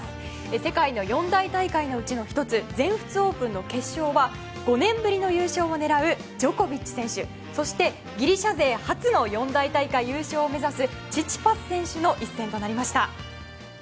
世界の四大大会のうちの１つ全仏オープンの決勝は５年ぶりの優勝を狙うジョコビッチ選手そしてギリシャ勢初の四大大会優勝を目指すチチパス選手の一戦となりました。